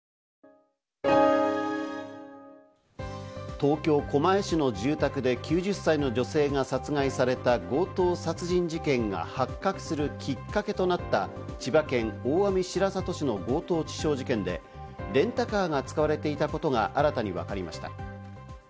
東京・狛江市の住宅で９０歳の女性が殺害された強盗殺人事件が発覚するきっかけとなった千葉県大網白里市の強盗致傷事件でレンタカーが使われていたことが新たに分かりました。